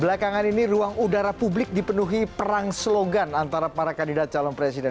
belakangan ini ruang udara publik dipenuhi perang slogan antara para kandidat calon presiden